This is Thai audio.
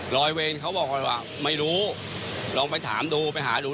รอยเวนเขาบอกว่าไม่รู้ลองไปถามดูไปหาดู